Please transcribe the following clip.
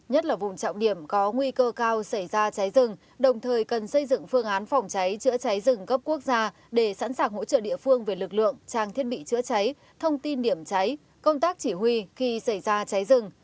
nhất là vùng trọng điểm có nguy cơ cao xảy ra cháy rừng đồng thời cần xây dựng phương án phòng cháy chữa cháy rừng gấp quốc gia để sẵn sàng hỗ trợ địa phương về lực lượng trang thiết bị chữa cháy thông tin điểm cháy công tác chỉ huy khi xảy ra cháy rừng